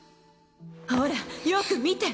ほらよく見て！